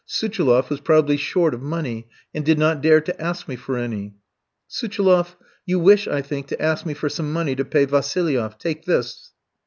Suchiloff was probably short of money, and did not dare to ask me for any. "Suchiloff, you wish, I think, to ask me for some money to pay Vassilieff; take this."